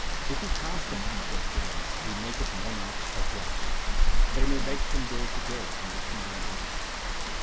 If He cast a backward glance, He maketh monarchs as grass ; l They may beg from door to door and receive no alms.